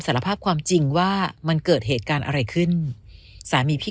สารภาพความจริงว่ามันเกิดเหตุการณ์อะไรขึ้นสามีพี่